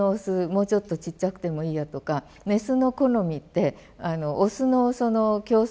もうちょっとちっちゃくてもいいやとかあっそうなの。